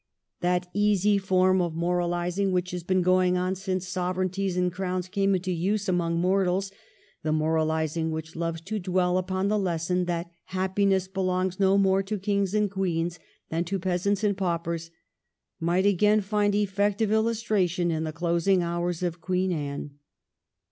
387 That easy form of moralizing which has been going on since sovereignties and crowns came into use among mortals, the moralizing which loves to dwell upon the lesson that happiness belongs no more to kings and queens than to peasants and paupers, might again find effective illustration in the closing hours of Queen Anne.